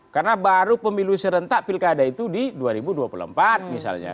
karena baru pemilu serentak pilkada itu di dua ribu dua puluh empat misalnya